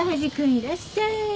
いらっしゃい。